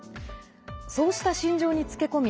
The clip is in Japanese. そうした心情に付け込み